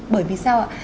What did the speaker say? bởi vì sao ạ